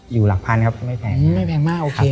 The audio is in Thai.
อยู่หลักพรรณครับไม่แพง